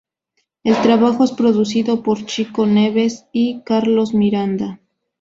El trabajo es producido por Chico Neves y Carlos Miranda.